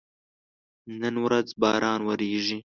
نن ورځ باران وریږي